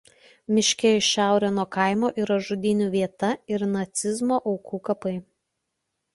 Miške į šiaurę nuo kaimo yra žudynių vieta ir nacizmo aukų kapai.